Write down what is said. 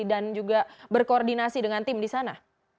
dan juga berkoordinasi dengan tim di sana